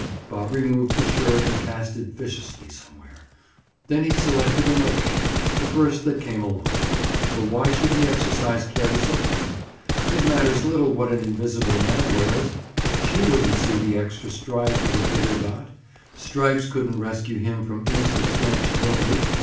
Bob removed the shirt and cast it viciously somewhere. Then he selected another shirt—the first that came along, for why should he exercise care to select? It matters little what an invisible man wears. She wouldn't see the extra stripe or the bigger dot. Stripes couldn't rescue him from insubstantiability.